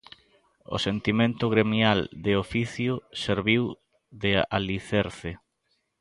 O sentimento gremial, de oficio, serviu de alicerce.